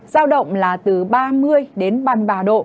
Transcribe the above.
giao động là từ ba mươi đến ba mươi ba độ